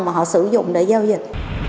mà họ sử dụng để giao dịch